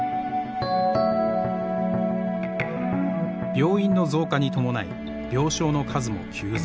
病院の増加に伴い病床の数も急増。